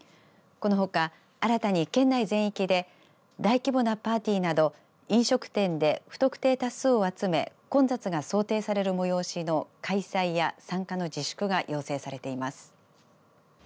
このほか新たに県内全域で大規模なパーティーなど飲食店で不特定多数を集め混雑が想定される催しの開催や参加の自粛が要請されています。